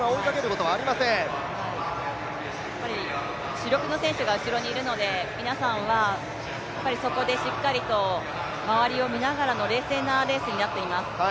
主力の選手が後ろにいるので皆さんはそこでしっかりと周りを見ながらの冷静なレースになっています。